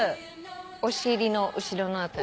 お尻の後ろの辺り。